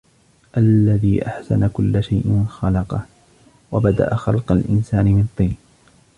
الذي أحسن كل شيء خلقه وبدأ خلق الإنسان من طين